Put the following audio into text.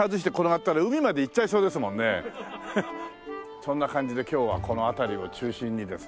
そんな感じで今日はこの辺りを中心にですね。